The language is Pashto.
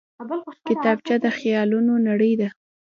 کتابچه د خیالونو نړۍ ده